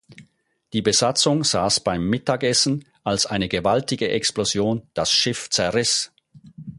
Die Besatzung saß beim Mittagessen, als eine gewaltige Explosion das Schiff zerriss.